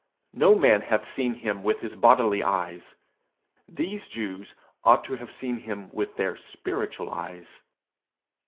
No man hath seen him with his bodily eyes; these Jews ought to have seen him with their spiritual eyes.